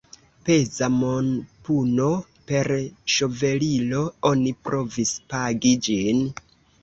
Peza monpuno – per ŝovelilo oni provis pagi ĝin.